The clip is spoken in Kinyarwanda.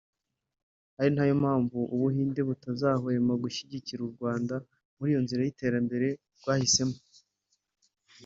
ari na yo mpamvu u Buhinde butazahwema gushyigikira u Rwanda muri iyo nzira y’iterambere rwahisemo